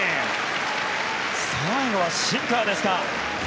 最後はシンカーでした。